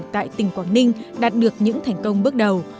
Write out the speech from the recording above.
tại tỉnh quảng ninh đạt được những thành công bước đầu